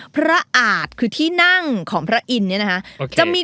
พระอาจที่นั่งพระอินทร์จะมี